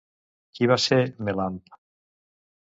Qui va ser Melamp?